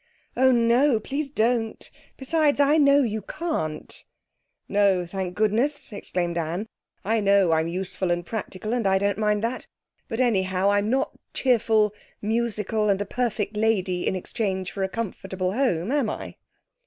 'Oh no, please don't! Besides, I know you can't' 'No, thank goodness!' exclaimed Anne. 'I know I'm useful and practical, and I don't mind that; but anyhow, I'm not cheerful, musical, and a perfect lady, in exchange for a comfortable home, am I?'